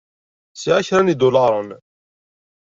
Sɛiɣ kra n yidulaṛen.